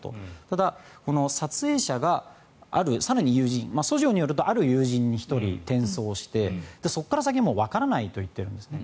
ただ、撮影者が更に友人訴状によるとある友人１人に転送してそこから先はわからないと言っているんですね。